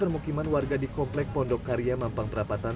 permukiman warga di komplek pondok karya mampang perapatan